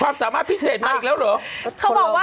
ความสามารถพิเศษมาอีกแล้วเหรอ